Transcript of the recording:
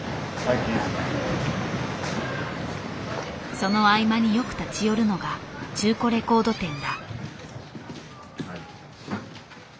その合間によく立ち寄るのが中古レコード店だ。